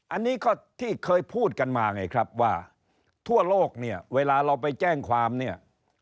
อันนี้ก็ที่เคยพูดกันมาไงครับว่าทั่วโลกเนี่ยเวลาเราไปแจ้งความเนี่ย